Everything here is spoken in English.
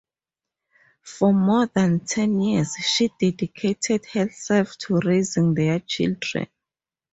For more than ten years she dedicated herself to raising their children.